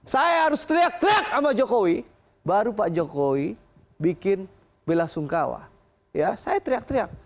saya harus teriak teriak sama jokowi baru pak jokowi bikin bela sungkawa ya saya teriak teriak